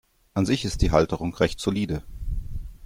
An sich ist die Halterung recht solide.